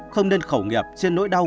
không nên khẩu nghiệp trên nỗi đau